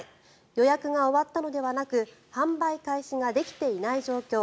予約が終わったのではなく販売開始ができていない状況